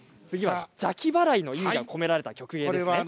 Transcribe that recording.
次は邪気払いの意味が込められた曲芸です。